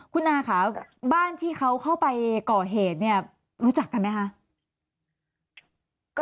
คุณอาค่ะบ้านที่เขาเข้าไปก่อเหตุเนี่ยรู้จักกันไหมคะ